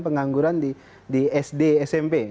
pengangguran di sd smp